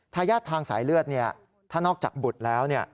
ทายาททางสายเลือดถ้านอกจากบุตรแล้ว